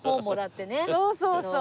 そうそうそう。